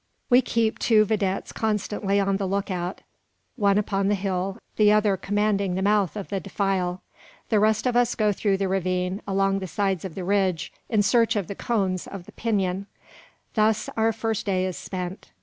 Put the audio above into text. We keep two videttes constantly on the look out one upon the hill, the other commanding the mouth of the defile. The rest of us go through the ravine, along the sides of the ridge, in search of the cones of the pinon. Thus our first day is spent.